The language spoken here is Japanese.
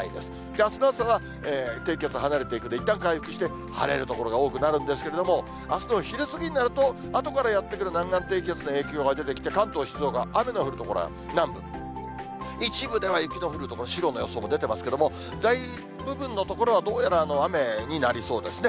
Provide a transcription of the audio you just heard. あすの朝は低気圧離れていくんで、いったん回復して、晴れる所が多くなるんですけれども、あすの昼過ぎになると、後からやって来る南岸低気圧の影響が出てきて、関東、静岡、雨の降る所が南部、一部では雪の降る所、白の予想も出てますけれども、大部分の所は、どうやら雨になりそうですね。